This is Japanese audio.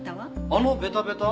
あのベタベタ？